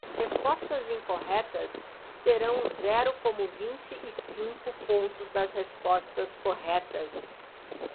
Respostas incorretas serão zero como vinte e cinco pontos das respostas corretas.